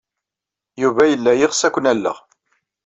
Yuba yella yeɣs ad ken-alleɣ.